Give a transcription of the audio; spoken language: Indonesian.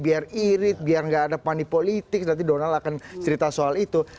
biar irit biar nggak ada pandi politik nanti donald akan cerita soal itu